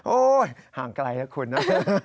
โอ้ยห่างไกลนะคุณนะ